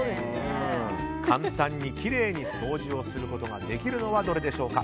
簡単にきれいに掃除をすることができるのはどれでしょうか。